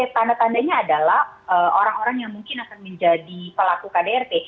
tanda tandanya adalah orang orang yang mungkin akan menjadi pelaku kdrt